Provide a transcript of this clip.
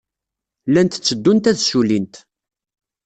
Llant tteddunt ad ssullint.